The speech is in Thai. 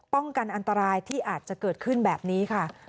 ป้องกันอันตรายที่อาจจะเกิดขึ้นแบบนี้ค่ะ